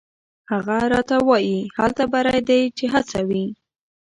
هغه راته وایي: «هلته بری دی چې هڅه وي».